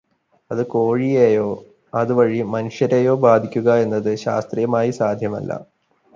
അത് കോഴിയെയോ, അത് വഴി മനുഷ്യരെയോ ബാധിക്കുക എന്നത് ശാസ്ത്രീയമായി സാധ്യമല്ല.